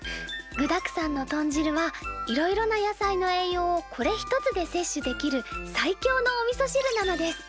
具だくさんの豚汁はいろいろな野菜の栄養をこれ一つで摂取できる最強のおみそ汁なのです！